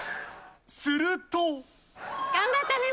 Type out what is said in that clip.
すると。